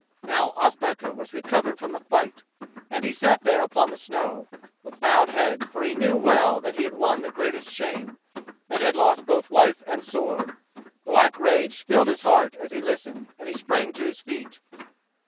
Now Ospakar was recovered from the fight, and he sat there upon the snow, with bowed head, for he knew well that he had won the greatest shame, and had lost both wife and sword. Black rage filled his heart as he listened, and he sprang to his feet.